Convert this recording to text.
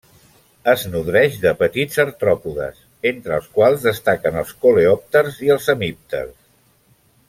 Es nodreix de petits artròpodes, entre els quals destaquen els coleòpters i els hemípters.